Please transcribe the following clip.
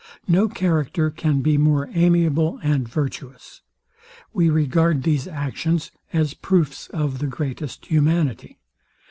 No character can be more amiable and virtuous. We regard these actions as proofs of the greatest humanity.